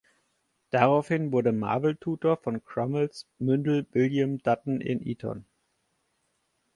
Daraufhin wurde Marvell Tutor von Cromwells Mündel William Dutton in Eton.